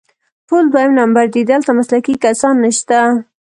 ټول دویم نمبر دي، دلته مسلکي کسان نشته